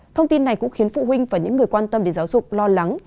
thông tin này cũng khiến phụ huynh và những người quan tâm đến giáo dục lo lắng